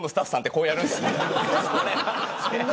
こうやるんですね。